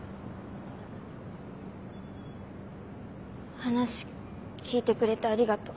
話聞いてくれてありがとう。